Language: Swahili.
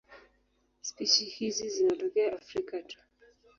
Spishi hizi zinatokea Afrika tu.